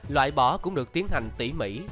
loại bỏ cũng được tiến hành tỉ mỉ